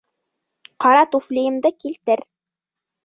Ҡара туфлийымды килтер.